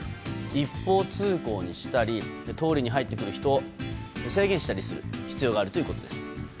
一方通行にしたり通りに入ってくる人を制限したりする必要があるということです。